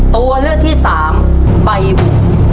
ตัวเลือกที่สามใบหู